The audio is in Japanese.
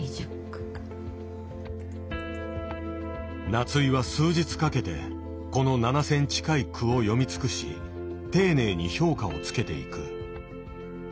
夏井は数日かけてこの７，０００近い句を読み尽くし丁寧に評価をつけていく。